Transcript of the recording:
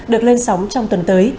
được lên sóng trong tuần tới